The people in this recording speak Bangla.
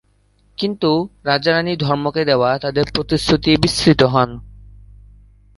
কিন্তু রাজা-রানি ধর্মকে দেওয়া তাঁদের প্রতিশ্রুতি বিস্মৃত হন।